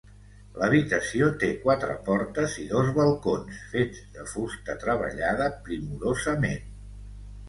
L'habitació té quatre portes i dos balcons, fets de fusta treballada primorosament.